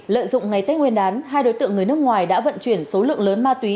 lợi dụng ngày tết nguyên đán hai đối tượng người nước ngoài đã vận chuyển số lượng lớn ma túy